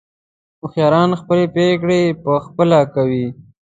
هوښیاران خپلې پرېکړې په خپله کوي.